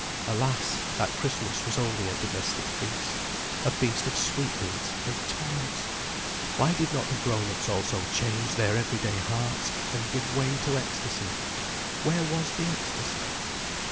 Alas, that Christmas was only a domestic feast, a feast of sweetmeats and toys! Why did not the grown ups also change their everyday hearts, and give way to ecstasy? Where was the ecstasy?